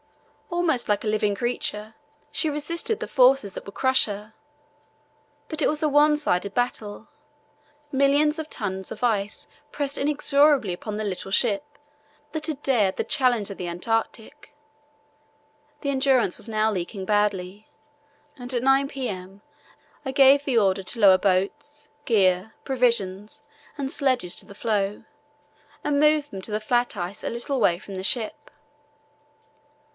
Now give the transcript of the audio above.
Almost like a living creature, she resisted the forces that would crush her; but it was a one sided battle. Millions of tons of ice pressed inexorably upon the little ship that had dared the challenge of the Antarctic. The Endurance was now leaking badly, and at 9 p.m. I gave the order to lower boats, gear, provisions, and sledges to the floe, and move them to the flat ice a little way from the ship.